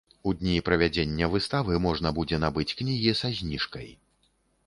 У дні правядзення выставы можна будзе набыць кнігі са зніжкай.